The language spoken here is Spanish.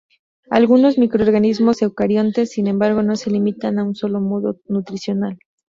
Algunos microorganismos eucariontes, sin embargo, no se limitan a un solo modo nutricional.